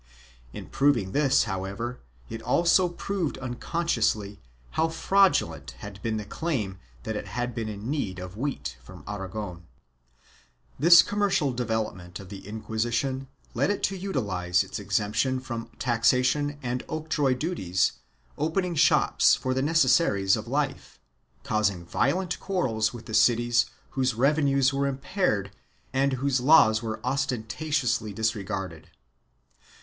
In proving this, however, it also proved unconsciously how fraudulent had been the claim that it had been in need of wheat from Aragon.1 This commercial development of the Inquisition led it to utilize its exemption from taxation and octroi duties by opening shops for the necessaries of life, causing violent quarrels with the cities whose revenues were impaired and whose laws were ostentatiously disregarded.